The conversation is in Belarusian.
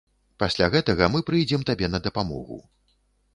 Пасля гэтага мы прыйдзем табе на дапамогу.